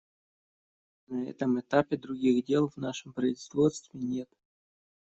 На этом этапе других дел в нашем производстве нет.